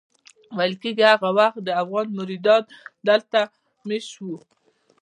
ویل کېږي هغه وخت دده افغان مریدان دلته مېشت وو.